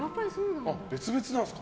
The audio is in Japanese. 別々なんですか。